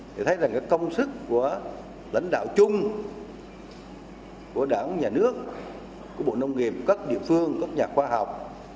thì thấy rằng công sức của lãnh đạo chung của đảng nhà nước của bộ nông nghiệp các địa phương các nhà khoa học